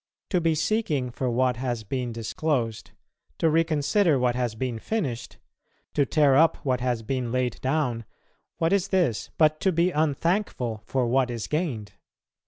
"To be seeking for what has been disclosed, to reconsider what has been finished, to tear up what has been laid down, what is this but to be unthankful for what is gained?"